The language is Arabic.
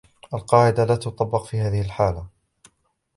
القاعدة لا تطبق في هذه الحالة.